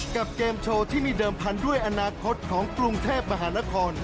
กับเกมโชว์ที่มีเดิมพันธุ์ด้วยอนาคตของกรุงเทพมหานคร